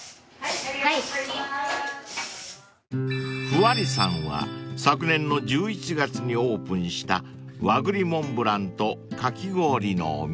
［ふわりさんは昨年の１１月にオープンした和栗モンブランとかき氷のお店］